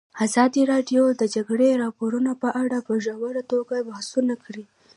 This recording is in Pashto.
ازادي راډیو د د جګړې راپورونه په اړه په ژوره توګه بحثونه کړي.